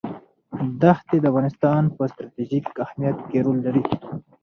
دښتې د افغانستان په ستراتیژیک اهمیت کې رول لري.